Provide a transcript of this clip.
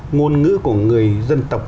ngôn ngữ của người dân tộc